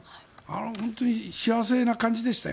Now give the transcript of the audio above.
本当に幸せな感じでしたよ。